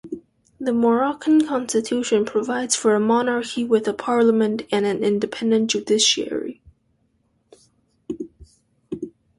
The Moroccan Constitution provides for a monarchy with a Parliament and an independent judiciary.